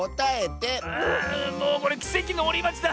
あもうこれきせきのおりまちだ。